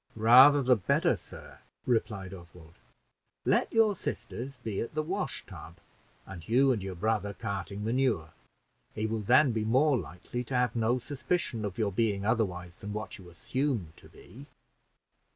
"Rather the better, sir," replied Oswald. "Let your sisters be at the wash tub, and you and your brother carting manure; he will then be more likely to have no suspicion of your being otherwise than what you assume to be."